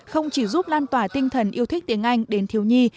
không chỉ giúp lan tỏa tinh thần yêu thích tiếng anh đến thiếu nhi